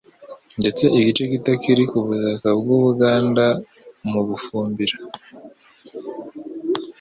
Ndetse igice gito kiri ku butaka bw'U Buganda mu Bufumbira.